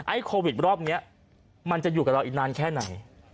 โควิดรอบนี้มันจะอยู่กับเราอีกนานแค่ไหน